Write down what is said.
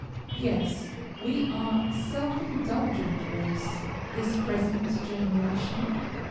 "Yes! we are a self indulgent race, this present generation.